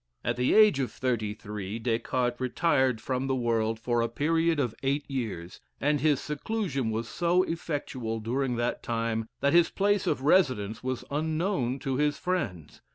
At the age of thirty three Des Cartes retired from the world for a period of eight years, and his seclusion was so effectual during that time, that his place of residence was unknown to his friends.